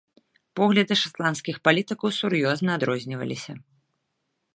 Погляды шатландскіх палітыкаў сур'ёзна адрозніваліся.